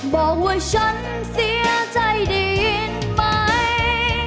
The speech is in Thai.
บอกว่าฉันเสียใจดีนไหม